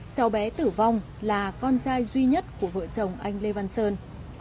cháu bé tử vong là con trai duy nhất của vợ chồng anh lê văn sơn